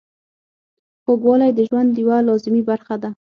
خوږوالی د ژوند یوه لازمي برخه ده.